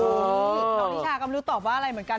น้องนิชาก็ไม่รู้ตอบว่าอะไรเหมือนกัน